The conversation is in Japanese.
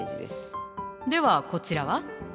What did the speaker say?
ではこちらは？